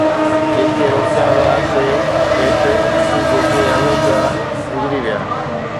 جيڪي روڪيا ويا سي هيٺ، اسين جيڪي هلون پيا گذري ويا